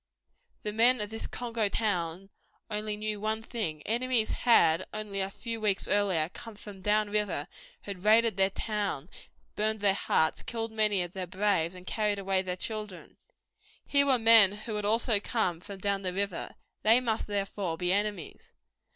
The men of this Congo town only knew one thing. Enemies had, only a few weeks earlier, come from down river, had raided their town, burned their huts, killed many of their braves, and carried away their children. Here were men who had also come from down the river. They must, therefore, be enemies.